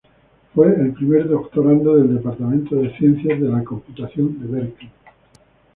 Fue el primer doctorando del departamento de ciencias de la computación en Berkeley.